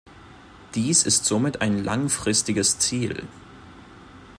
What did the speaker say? Dies ist somit ein langfristiges Ziel.